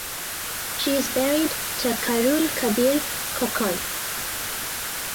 She is married to Khairul Kabir Khokon.